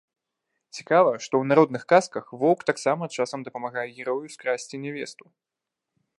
Цікава, што ў народных казках воўк таксама часам дапамагае герою скрасці нявесту.